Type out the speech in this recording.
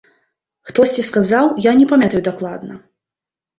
Хтосьці сказаў, я не памятаю дакладна.